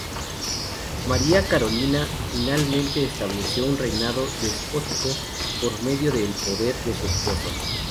María Carolina finalmente estableció un reinado despótico por medio del poder de su esposo.